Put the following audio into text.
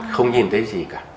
không nhìn thấy gì cả